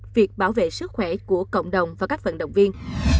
việc bảo vệ sức khỏe của cộng đồng và các vận động viên